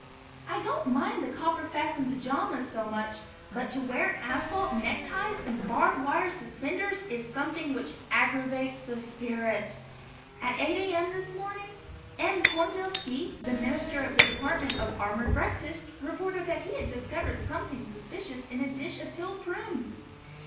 I don't mind the copper fastened pajamas so much, but to wear asphalt neckties and barb wire suspenders is something which aggravates the spirit. At 8 A.M. this morning M. Cornmealski, the Minister of the Department of Armored Breakfasts, reported that he had discovered something suspicious in the dish of peeled prunes.